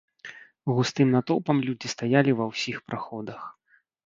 Густым натоўпам людзі стаялі ва ўсіх праходах.